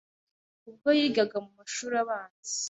ubwo yigaga mu mashuri abanza